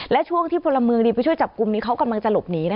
และช่วงที่พลเมืองดีไปช่วยจับกลุ่มนี้เขากำลังจะหลบหนี